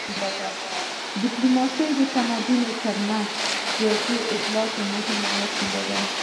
ډیپلوماسي د تمدنونو تر منځ د سیاسي اطلاعاتو مهمه وسیله وه